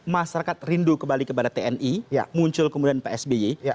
masyarakat rindu kembali kepada tni muncul kemudian pak sby